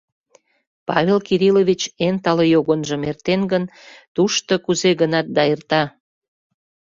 Павел Кириллович эн тале йогынжым эртен гын, туштыжо кузе гынат да эрта.